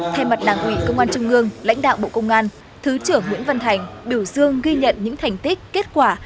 theo mặt đảng huyện công an trung mương lãnh đạo bộ công an thứ trưởng nguyễn văn thành biểu dương ghi nhận những thành tích kết quả